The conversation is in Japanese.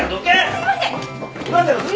すいません！